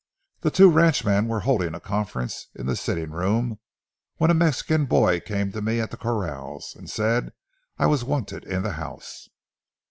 The two ranchmen were holding a conference in the sitting room when a Mexican boy came to me at the corrals and said I was wanted in the house.